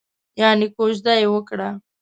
یانې کوژده یې وکړه؟